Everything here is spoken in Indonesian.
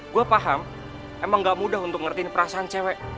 gua paham emang gak mudah untuk ngertiin perasaan samanya